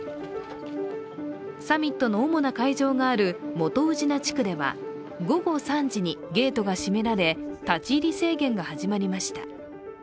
サミットの主な会場がある元宇品地区では午後３時にゲートが閉められ立ち入り制限が始まりました。